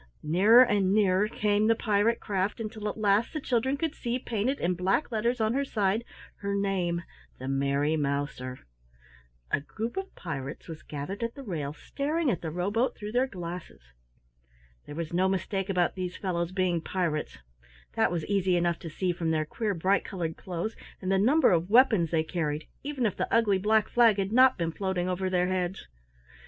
Nearer and nearer came the pirate craft until at last the children could see, painted in black letters on her side, her name, The Merry Mouser. A group of pirates was gathered at the rail, staring at the rowboat through their glasses. There was no mistake about these fellows being pirates that was easy enough to see from their queer bright colored clothes and the number of weapons they carried, even if the ugly black flag had not been floating over their heads.